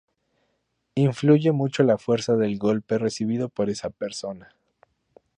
Influye mucho la fuerza del golpe recibido por esa persona.